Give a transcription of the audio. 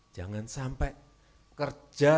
jangan sampai kerja